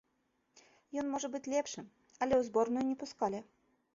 Ён можа быць лепшы, але ў зборную не пускалі.